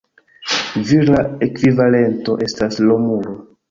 Vira ekvivalento estas Romulo.